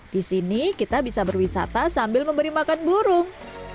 disini kita bisa berwisata sambil memberi makan burung